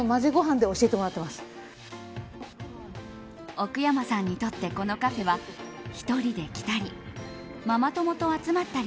奥山さんにとってこのカフェは１人で来たりママ友と集まったり